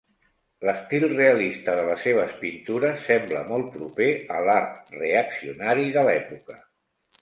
L'estil realista de les seves pintures sembla molt proper a l'art reaccionari de l'època.